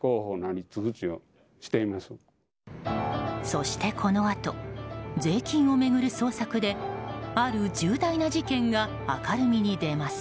そして、このあと税金を巡る捜索である重大な事件が明るみに出ます。